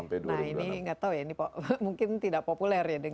nah ini nggak tahu ya ini mungkin tidak populer ya